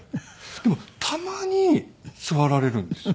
でもたまに座られるんですよ。